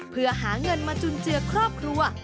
เพื่อหาเงินมาจุนเจือครอบครัว